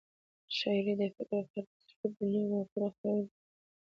شاعري د فکر او خیال په ترکیب د نوو مفکورو د خپرولو لار ده.